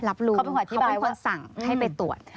รับรู้เขาเป็นคนสั่งให้ไปตรวจ